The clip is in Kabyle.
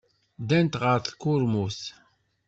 Ddant ɣer tkurmut.